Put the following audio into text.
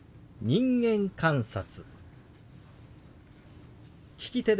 「人間観察」。